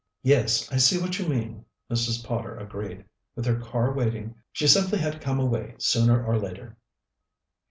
"Yes, I see what you mean," Mrs. Potter agreed. "With her car waiting, she simply had to come away sooner or later."